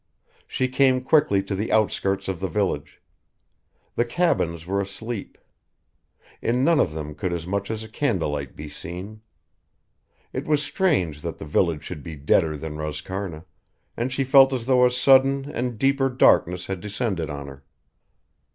She came quickly to the outskirts of the village. The cabins were asleep. In none of them could as much as a candlelight be seen. It was strange that the village should be deader than Roscarna, and she felt as though a sudden and deeper darkness had descended on her.